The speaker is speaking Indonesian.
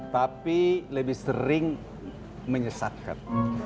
tapi lebih sering menyesatkan